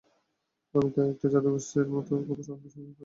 আমি তা অনেকটা যাদুগ্রস্তের মতোই খুব অল্প সময়ে পড়ে ফেললাম।